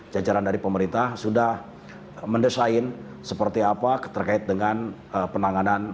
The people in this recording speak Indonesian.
jadi jajaran dari pemerintah sudah mendesain seperti apa terkait dengan penanganan